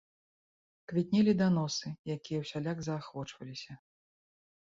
Квітнелі даносы, якія ўсяляк заахвочваліся.